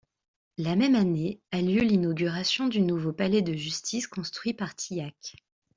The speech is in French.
La même année a lieu l’inauguration du nouveau palais de justice construit par Thiac.